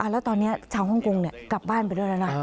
แล้วตอนนี้ชาวฮ่องกงกลับบ้านไปด้วยแล้วนะ